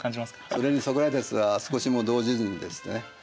それにソクラテスは少しも動じずにですね